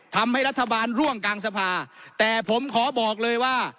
ทำให้รัฐบาลร่วงกลางสภาแต่ผมขอบอกเลยว่า